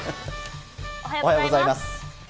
おはようございます。